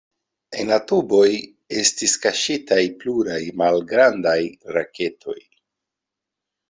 En la tuboj estis kaŝitaj pluraj malgrandaj raketoj.